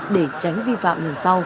để tránh vi phạm